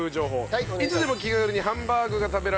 はい。